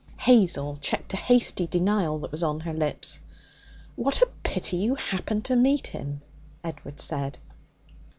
Hazel checked a hasty denial that was on her lips. 'What a pity you happened to meet him!' Edward said.